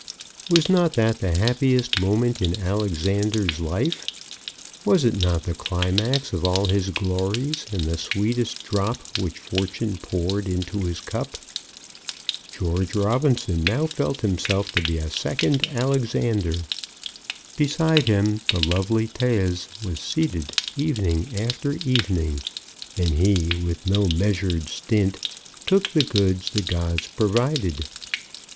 Was not that the happiest moment in Alexander's life. Was it not the climax of all his glories, and the sweetest drop which Fortune poured into his cup? George Robinson now felt himself to be a second Alexander. Beside him the lovely Thais was seated evening after evening; and he, with no measured stint, took the goods the gods provided.